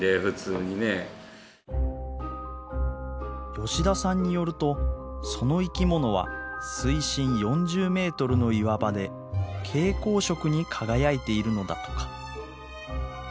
吉田さんによるとその生き物は水深４０ｍの岩場で蛍光色に輝いているのだとか。